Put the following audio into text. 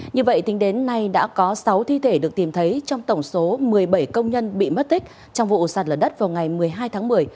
như vậy tính đến nay đã có sáu thi thể được tìm thấy trong tổng số một mươi bảy công nhân bị mất tích trong vụ sạt lở đất vào ngày một mươi hai tháng một mươi